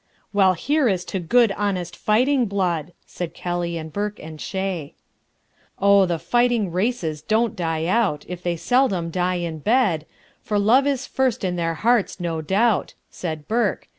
"Well, here is to good honest fighting blood!" Said Kelly and Burke and Shea. "Oh, the fighting races don't die out, If they seldom die in bed, For love is first in their hearts, no doubt," Said Burke.